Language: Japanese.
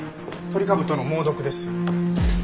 トリカブトの猛毒です。